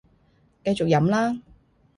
繼續飲啦